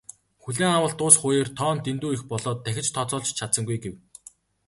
"Хүлээн авалт дуусах үеэр тоо нь дэндүү их болоод дахиж тооцоолж ч чадсангүй" гэв.